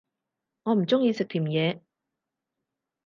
我唔鍾意食甜野